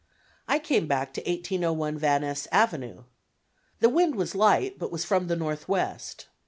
I came back to 1801 Van Ness Avenue. The wind was light but was from the northwest.